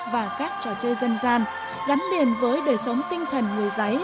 và các trò chơi dân gian gắn liền với đời sống tinh thần người giấy